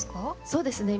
そうですね。